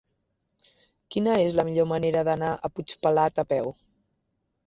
Quina és la millor manera d'anar a Puigpelat a peu?